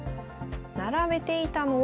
並べていたのは。